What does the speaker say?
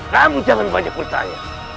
kamu jangan banyak bertanya